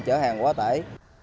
chở hàng quá tải